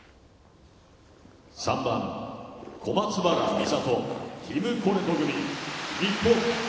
「３番小松原美里ティムコレト組日本」。